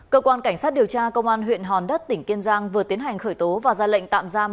cơ quan cảnh sát điều tra công an huyện hòn đất tỉnh kiên giang vừa tiến hành khởi tố và ra lệnh tạm giam